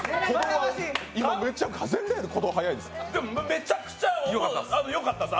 めちゃくちゃよかったです。